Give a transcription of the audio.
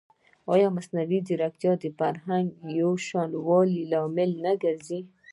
ایا مصنوعي ځیرکتیا د فرهنګي یوشان والي لامل نه ګرځي؟